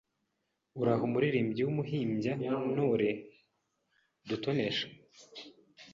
Uraho muririmbyi w'umuhimby ntore dutonesha